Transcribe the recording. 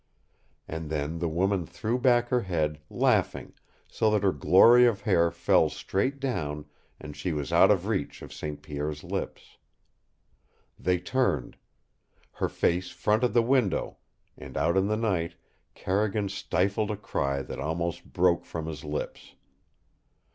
And then the woman threw back her head, laughing, so that her glory of hair fell straight down, and she was out of reach of St. Pierre's lips. They turned. Her face fronted the window, and out in the night Carrigan stifled a cry that almost broke from his lips.